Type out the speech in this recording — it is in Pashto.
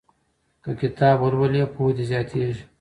که کتاب ولولې پوهه دې زیاتیږي.